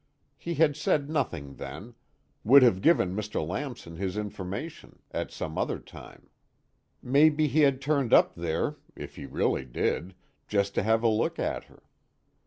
He had said nothing then; would have given Mr. Lamson his information at some other time; maybe he had turned up there (if he really did) just to have a look at her.